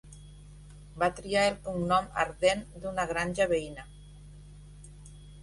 Va triar el cognom, "Arden", d'una granja veïna.